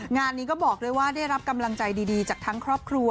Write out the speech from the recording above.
งานนี้ก็บอกด้วยว่าได้รับกำลังใจดีจากทั้งครอบครัว